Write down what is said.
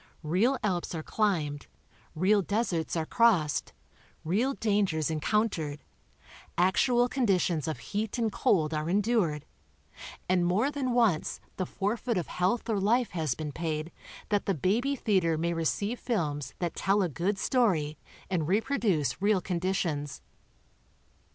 Real Alps are climbed, real deserts are crossed, real dangers encountered, actual conditions of heat and cold are endured, and more than once the forfeit of health or life has been paid that the baby theater may receive films that tell a good story and reproduce real conditions.